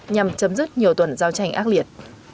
nhằm chấm dứt nhiều tuần giao tranh ác liệt